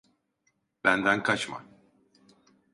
Benden kaçma.